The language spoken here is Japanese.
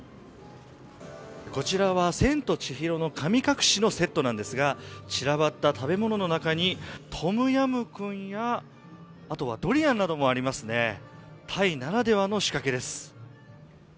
こちらは「千と千尋の神隠し」のセットなんですが、散らばった食べ物の中にトムヤムクン、あとはドリアンなどもありますね、タイならではの仕掛けです。